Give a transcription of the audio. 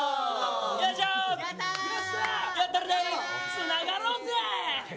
つながろうぜ！